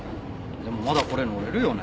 でもまだこれ乗れるよね？